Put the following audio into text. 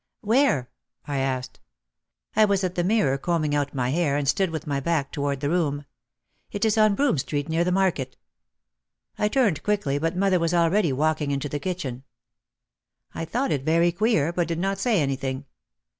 "Where?" I asked. I was at the mirror combing out my hair and stood with my back toward the room. "It is on Broome Street near Market." I turned quickly but mother was already walking into the kitchen. I thought it very queer, but did not say anything.